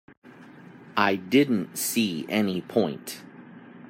I didn't see any point.